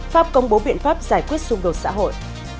pháp công bố biện pháp giải quyết xung đột xã hội